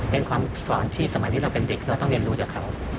เป็นความสอนที่สมัยที่เราเป็นเด็กเราต้องเรียนรู้จากเขา